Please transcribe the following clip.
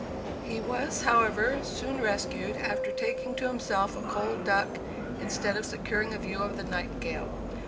He was, however, soon rescued, after taking to himself a cold duck instead of securing a view of the Nightingale.